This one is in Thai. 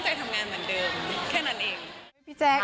ใช่ค่ะสุดท้ายเราก็คือตั้งใจทำงานเหมือนเดิม